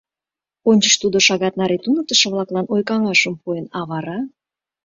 Ончыч тудо шагат наре туныктышо-влаклан ой-каҥашым пуэн, а вара...